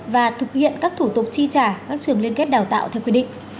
và thực hiện các thủ tục chi trả các trường liên kết đào tạo theo quy định